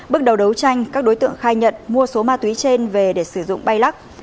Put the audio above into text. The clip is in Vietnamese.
bước đầu đấu tranh các đối tượng khai nhận mua số ma túy trên về để sử dụng bay lắc